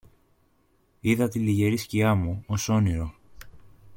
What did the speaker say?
είδα τη λυγερή σκιά μου, ως όνειρο